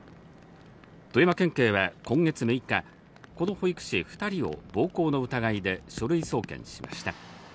富山県警は今月６日、この保育士２人を暴行の疑いで書類送検しました。